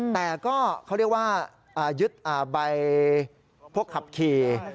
แต่ก็เขาเรียกว่ายึดใบพวกขับขี่